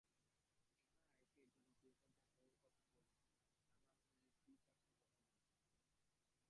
যাঁরা একে জনপ্রিয়তা যাচাইয়ের কথা বলছেন, তাঁরা রাজনৈতিক ভাষায় কথা বলছেন।